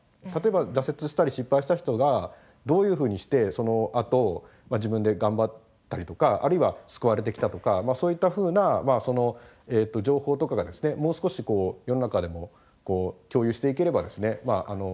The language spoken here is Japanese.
例えば挫折したり失敗した人がどういうふうにしてそのあと自分で頑張ったりとかあるいは救われてきたとかそういったふうな情報とかがですねもう少し世の中でも共有していければですね